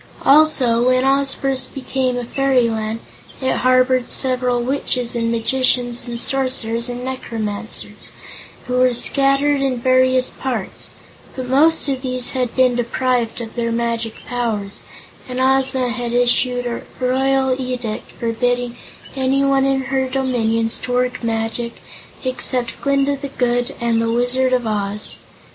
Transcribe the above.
Also, when Oz first became a fairyland, it harbored several witches and magicians and sorcerers and necromancers, who were scattered in various parts, but most of these had been deprived of their magic powers, and Ozma had issued a royal edict forbidding anyone in her dominions to work magic except Glinda the Good and the Wizard of Oz.